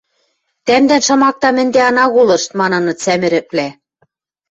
Тӓмдӓн шамакдам ӹнде ана колышт, — маныныт сӓмӹрӹквлӓ.